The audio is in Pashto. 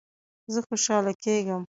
زه خوشحاله کیږم